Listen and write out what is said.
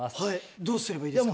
どうすればいいですか？